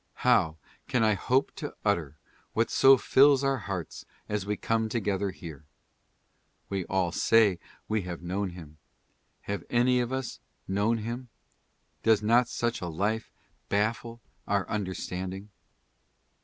How can I hope to utter what so fills our hearts as we come together here? We all say we have known him. Have any of us known him? Does not such a life baffle our understanding?